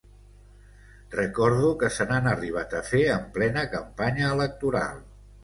Recordo que se n’han arribat a fer en plena campanya electoral.